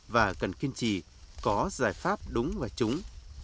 và cần kiên trì có giải pháp đúng và trúng